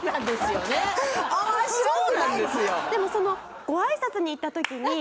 でもその。